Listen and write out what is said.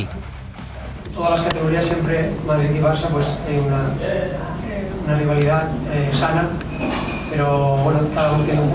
ketika berhadapan dengan real madrid u delapan belas selalu ada pertandingan